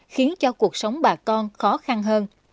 khiến cho cuộc sống bà con khó khăn hơn